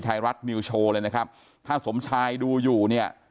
ไทยรัฐนิวโชว์เลยนะครับถ้าสมชายดูอยู่เนี่ย